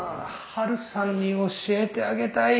ハルさんに教えてあげたい！